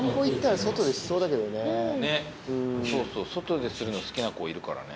そうそう外でするの好きな子いるからね。